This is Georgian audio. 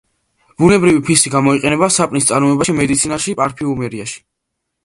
ბუნებრივი ფისი გამოიყენება საპნის წარმოებაში, მედიცინაში, პარფიუმერიაში.